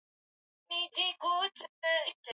Baba nakushukuru kwa kuwa umenisikia